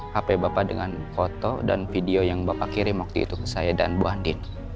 hp bapak dengan foto dan video yang bapak kirim waktu itu ke saya dan bu andin